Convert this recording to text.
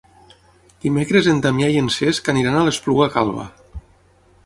Dimecres en Damià i en Cesc aniran a l'Espluga Calba.